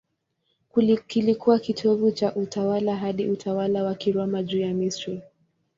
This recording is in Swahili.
Kilikuwa kitovu cha utawala hadi utawala wa Kiroma juu ya Misri.